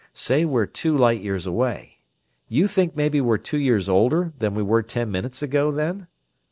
Say we're two light years away. You think maybe we're two years older than we were ten minutes ago, then?